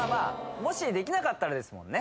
もしできなかったらですもんね